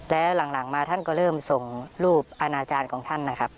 แล้วหลังมาท่านก็เริ่มส่งรูปอาณาจารย์ของท่านนะครับ